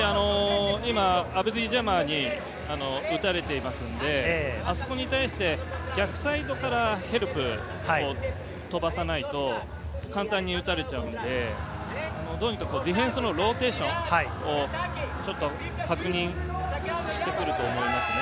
アブディ・ジャマに打たれていますので、あそこに対して逆サイドからヘルプを飛ばさないと簡単に打たれちゃうので、どうにかディフェンスのローテーションを確認してくると思います。